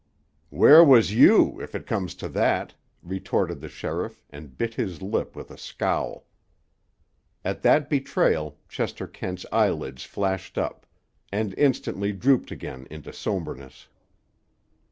"Where was you, if it comes to that?" retorted the sheriff, and bit his lip with a scowl. At that betrayal Chester Kent's eyelids flashed up, and instantly drooped again into somberness.